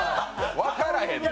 分からへんねん。